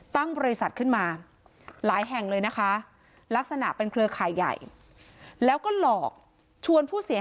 ตั้งบริษัทขึ้นมาหลายแห่งเลยนะคะลักษณะเป็นเครือข่ายใหญ่แล้วก็หลอกชวนผู้เสียหาย